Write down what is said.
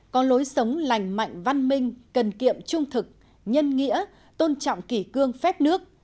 có lối sống lành mạnh văn minh cần kiệm trung thực nhân nghĩa tôn trọng kỷ cương phép nước